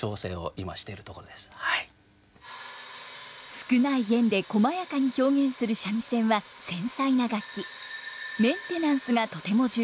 少ない絃でこまやかに表現する三味線は繊細な楽器。